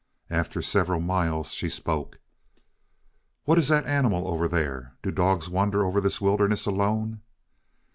After several miles she spoke. "What is that animal over there? Do dogs wander over this wilderness alone?"